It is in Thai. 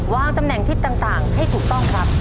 ตำแหน่งทิศต่างให้ถูกต้องครับ